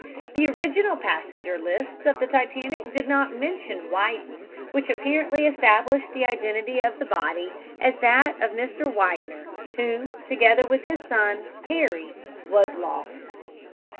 The original passenger lists of the Titanic did not mention "Widen," which apparently established the identity of the body as that of Mr. Widener, who, together with his son, Harry, was lost.